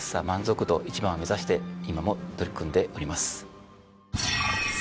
満足度１番を目指して今も取り組んでおります。